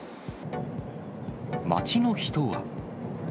街の人は。